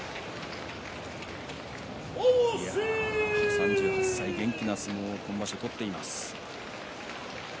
３８歳元気な相撲、今場所取っています。